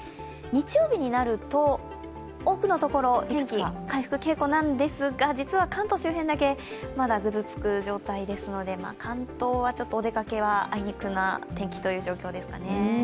日曜日になると、多くのところで天気は回復傾向なんですが、実は関東周辺だけまだぐずつく状態ですので、関東はちょっとお出かけはあいにくな天気という状況ですかね。